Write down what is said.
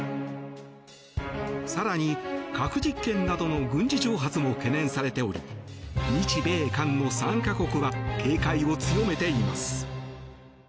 更に、核実験などの軍事挑発も懸念されており日米韓の３か国は警戒を強めています。